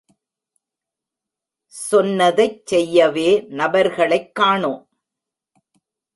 சொன்னதைச் செய்யவே நபர்களைக் கானோம்.